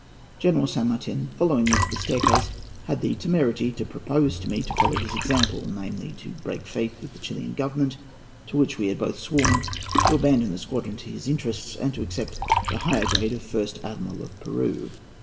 "General San Martin, following me to the staircase, had the temerity to propose to me to follow his example—namely, to break faith with the Chilian Government, to which we had both sworn, to abandon the squadron to his interests, and to accept the higher grade of First Admiral of Peru.